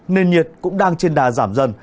nền nhiệt cũng đang trên đà giảm dần